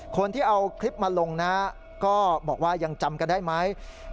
คนที่เอาคลิปมาลงนะก็บอกว่ายังจำกันได้ไหม